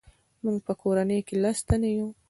موږ په کورنۍ کې لس تنه یو.